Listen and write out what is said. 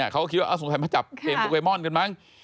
เขาก็คิดว่าสงสัยมาจับเกมโปเกมอนกันมั้ง